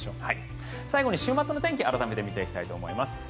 最後に週末の天気改めて見ていきたいと思います。